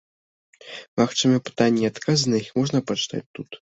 Магчымыя пытанні і адказы на іх можна пачытаць тут.